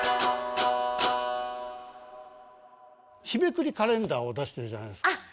日めくりカレンダーを出してるじゃないですか。